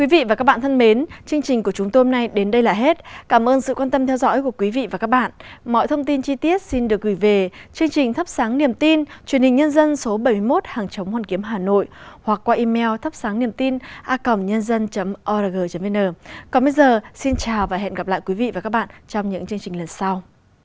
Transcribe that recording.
và hẹn gặp lại quý vị và các bạn trong những chương trình lần sau